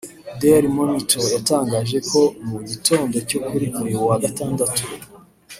Daily Monitor yatangaje ko mu gitondo cyo kuri uyu wa Gatandatu